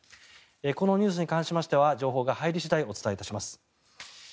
このニュースに関しましては情報が入り次第お伝えいたします。